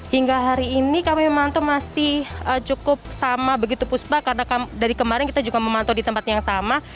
hingga hari ini kami memantau masih cukup sama begitu puspa karena dari kemarin kita juga memantau di tempat yang sama